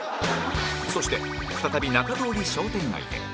そして再び中通り商店街へ